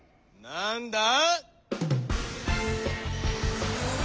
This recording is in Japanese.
なんだ？